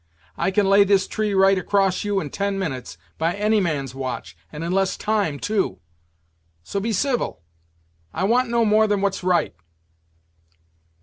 I can lay this tree right across you in ten minutes by any man's watch, and in less time, too; so be civil I want no more than what's right."